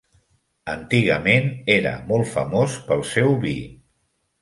Antigament era molt famós pel seu vi.